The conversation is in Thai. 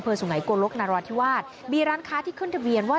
เผลอสุไหงกลกนรธิวาธิบีร้านค้าที่ขึ้นทะเบียนว่า